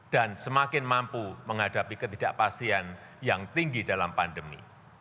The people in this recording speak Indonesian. dan semakin mampu menghadapi ketidakpastian yang tinggi dalam pandemi